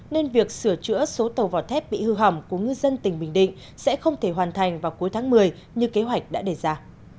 nên việc sửa chữa số tàu vỏ thép bị hư hỏng của ngư dân tỉnh bình định sẽ không thể hoàn thành vào cuối tháng một mươi như kế hoạch đã đề ra